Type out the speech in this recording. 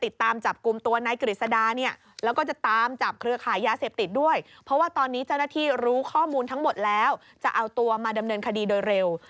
ดำเนินคดีโดยเร็ว